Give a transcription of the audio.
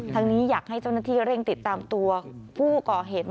นี้อยากให้เจ้าหน้าที่เร่งติดตามตัวผู้ก่อเหตุ